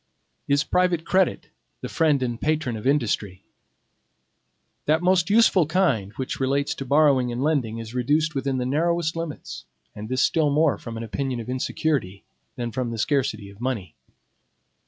Is private credit the friend and patron of industry? That most useful kind which relates to borrowing and lending is reduced within the narrowest limits, and this still more from an opinion of insecurity than from the scarcity of money.